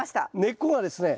根っこがですね